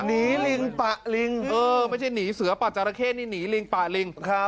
หนีลิงปะลิงเออไม่ใช่หนีเสือป่าจาระเข้นนี่หนีลิงป่าลิงครับ